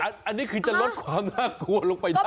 อันนี้คือจะลดความน่ากลัวลงไปได้